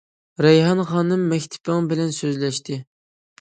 - رەيھان خانىم مەكتىپىڭ بىلەن سۆزلەشتى.